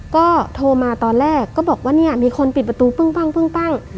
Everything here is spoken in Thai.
ก็โทรมาตอนแรกก็บอกว่ามีคนปิดประตูปึ้ง